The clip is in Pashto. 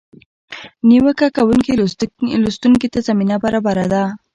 نیوکه کوونکي لوستونکي ته زمینه برابره ده.